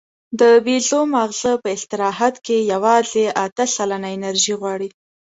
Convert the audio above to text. د بیزو ماغزه په استراحت کې یواځې اته سلنه انرژي غواړي.